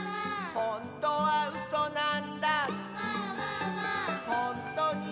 「ほんとにうそなんだ」